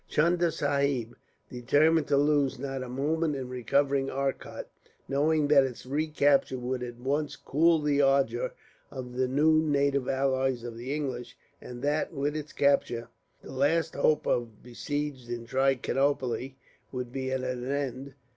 Chunda Sahib determined to lose not a moment in recovering Arcot, knowing that its recapture would at once cool the ardour of the new native allies of the English; and that, with its capture, the last hope of the besieged in Trichinopoli would be at an end.